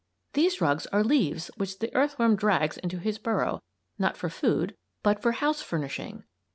These rugs are leaves which the earthworm drags into his burrow, not for food but for house furnishing.